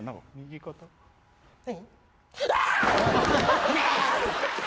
何？